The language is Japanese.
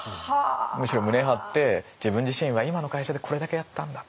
むしろ胸張って自分自身は今の会社でこれだけやったんだ。